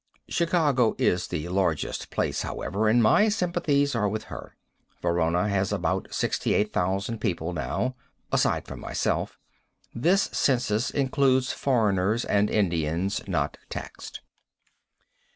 Chicago is the largest place, however, and my sympathies are with her. Verona has about 68,000 people now, aside from myself. This census includes foreigners and Indians not taxed.